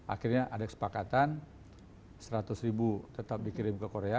akhirnya ada kesepakatan seratus ribu tetap dikirim ke korea